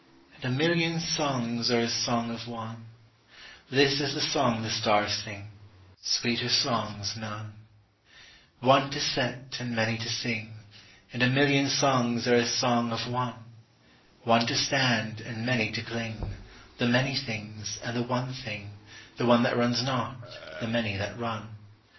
2(And a million songs are as song of one)3This is the song the stars sing:4(Sweeter song's none)5One to set, and many to sing,6(And a million songs are as song of one)7One to stand, and many to cling,8The many things, and the one Thing,9The one that runs not, the many that run.